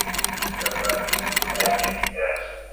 Sabato inayo kuja niya vijana